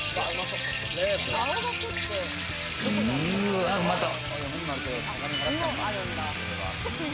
うわ、うまそう！